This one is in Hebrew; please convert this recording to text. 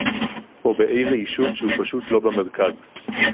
או באיזה יישוב שהוא פשוט לא במרכז